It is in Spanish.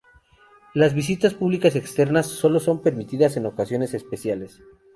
Las visitas públicas externas solo son permitidas en ocasiones especiales.